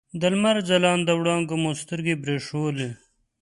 د لمر ځلانده وړانګو مو سترګې برېښولې.